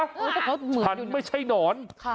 แต่เขาเหมือนอยู่นะค่ะฉันไม่ใช่หนอน